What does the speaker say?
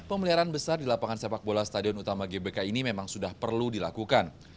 pemeliharaan besar di lapangan sepak bola stadion utama gbk ini memang sudah perlu dilakukan